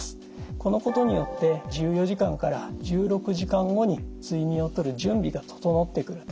このことによって１４時間から１６時間後に睡眠をとる準備が整ってくると。